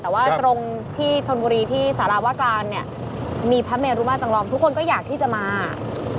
แต่ว่าตรงที่ชนบุรีที่สารวกลางเนี่ยมีพระเมรุมาจำลองทุกคนก็อยากที่จะมา